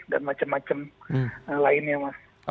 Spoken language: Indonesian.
dan macam macam lainnya mas